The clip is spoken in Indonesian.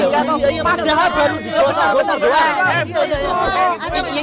padahal baru digosok gosok doang